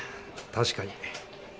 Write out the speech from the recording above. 確かに。